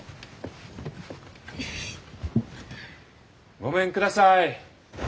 ・ごめんください。